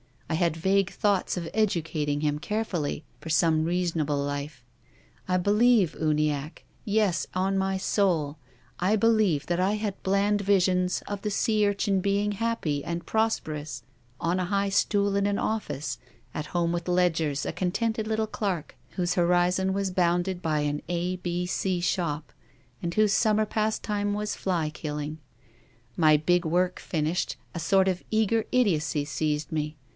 I had vague thoughts of educating him carefully for some reasonable life. I believe, Uniacke, yes, on my soul, I believe that I had bland visions of the sea urchin being happy and prosperous on a high stool in an office, at home with ledgers, a contented little clerk, whose horizon was bounded by an A B C shop, and whose summer pastime was fly killing. My big work finished, a sort of eager idiocy seized me.